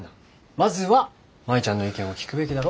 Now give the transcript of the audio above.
まずは舞ちゃんの意見を聞くべきだろ。